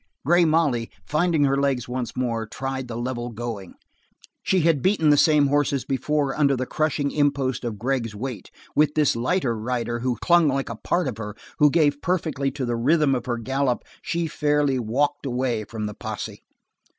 Grey Molly, finding her legs once more, tried the level going. She had beaten the same horses before under the crushing impost of Gregg's weight. With this lighter rider who clung like a part of her, who gave perfectly to the rhythm of her gallop, she fairly walked away from the posse.